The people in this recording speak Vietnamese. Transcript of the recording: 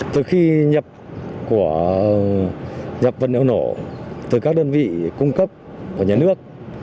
từ khi nhập vật liệu nổ từ các đơn vị cung cấp của nhà nước